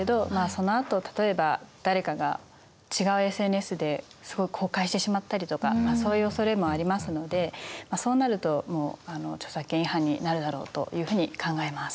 そのあと例えば誰かが違うＳＮＳでそれを公開してしまったりとかそういうおそれもありますのでそうなるともう著作権違反になるだろうというふうに考えます。